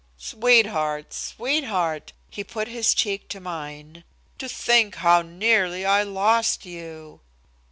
"Sweetheart, sweetheart!" He put his cheek to mine. "To think how nearly I lost you!"